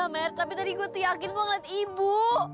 mer tapi tadi gue tuh yakin gue ngeliat ibu